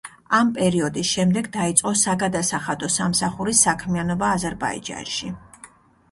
ამ პერიოდის შემდეგ დაიწყო საგადასახადო სამსახურის საქმიანობა აზერბაიჯანში.